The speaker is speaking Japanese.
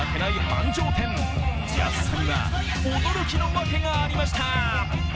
安さには驚きの訳がありました。